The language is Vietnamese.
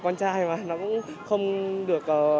con trai mà nó cũng không được